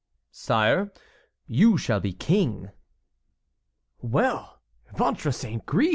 "Sire, you shall be king." "Well! Ventre saint gris!"